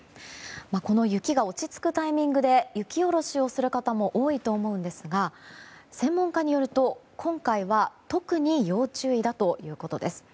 この雪が落ち着くタイミングで雪下ろしをする方も多いと思いますが専門家によると今回は特に要注意だということです。